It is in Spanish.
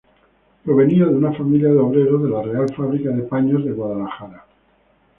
Provenía de una familia de obreros de la Real Fábrica de Paños de Guadalajara.